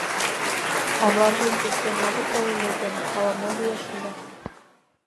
Арлан ден Кестен огыт тол ыле гын, ала-мо лийшаш ыле...